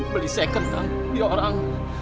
beli sekat kang